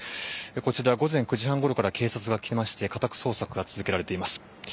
こちら午前９時半ごろから警察が来まして家宅捜索が続けられています。